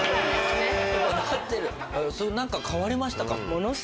何か買われましたか？